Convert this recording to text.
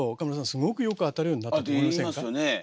すごくよく当たるようになったと思いませんか？って言いますよねえ。